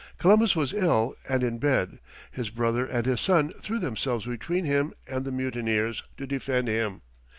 Columbus was ill and in bed. His brother and his son threw themselves between him and the mutineers to defend him.